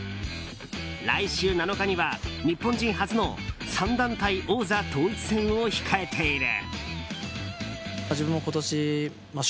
来週７日には、日本人初の３団体王座統一戦を控えている。